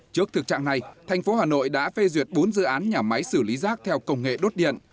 trước thực trạng này thành phố hà nội đã phê duyệt bốn dự án nhà máy xử lý rác theo công nghệ đốt điện